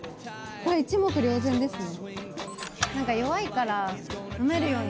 これ一目瞭然ですね。